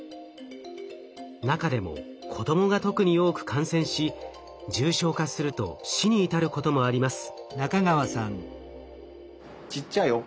中でも子どもが特に多く感染し重症化すると死に至ることもあります。